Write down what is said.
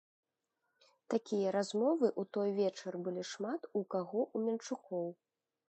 Такія размовы ў той вечар былі шмат у каго ў менчукоў.